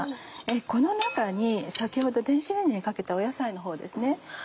この中に先ほど電子レンジにかけた野菜のほうですね。